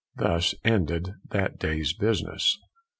Thus ended that day's business.